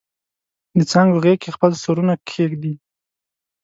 دڅانګو غیږ کې خپل سرونه کښیږدي